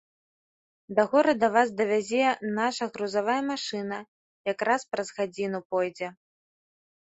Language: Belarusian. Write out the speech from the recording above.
Да горада вас давязе наша грузавая машына, якраз праз гадзіну пойдзе.